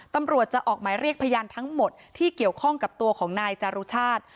ตำรวจจะออกหมายเรียกพยานทั้งหมดที่เกี่ยวข้องกับตัวของนายจารุชาติ